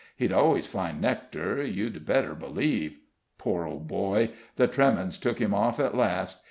He'd always find nectar, you'd better believe. Poor old boy! the tremens took him off at last.